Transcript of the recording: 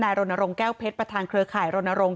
รณรงค์แก้วเพชรประธานเครือข่ายรณรงค